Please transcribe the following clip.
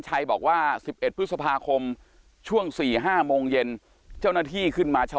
ชัยบอกว่า๑๑พฤษภาคมช่วง๔๕โมงเย็นเจ้าหน้าที่ขึ้นมาใช้